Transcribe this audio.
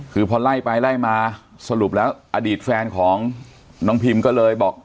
คือพอไล่ไปไล่มาสรุปแล้วอดีตแฟนของน้องพิมก็เลยบอก